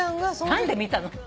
何で見たの？